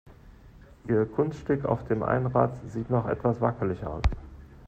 Ihr Kunststück auf dem Einrad sieht noch etwas wackelig aus.